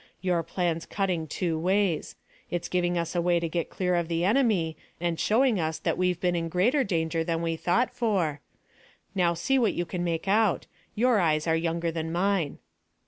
Your plan's cutting two ways. It's giving us a way to get clear of the enemy, and showing us that we've been in greater danger than we thought for. Now see what you can make out. Your eyes are younger than mine."